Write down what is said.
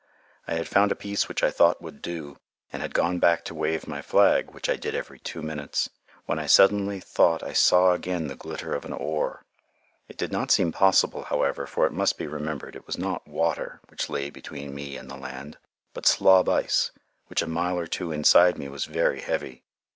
I had found a piece which I thought would do, and had gone back to wave my flag, which I did every two minutes, when I suddenly thought I saw again the glitter of an oar. It did not seem possible, however, for it must be remembered it was not water which lay between me and the land, but slob ice, which a mile or two inside me was very heavy.